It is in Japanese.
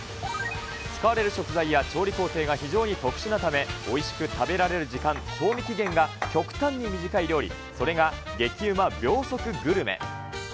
使われる食材や調理工程が非常に特殊なため、おいしく食べられる時間、賞味期限が極端に短い料理、それが激うま秒速グルメ。